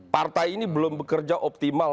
partai ini belum bekerja optimal